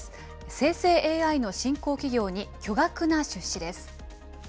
生成ＡＩの新興企業に巨額な出資です。